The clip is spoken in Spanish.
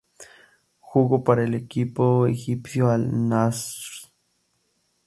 Jugó para el equipo egipcio Al Nasr.